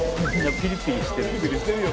ピリピリしてるよ。